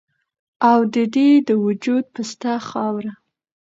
او د دې د وجود پسته خاوره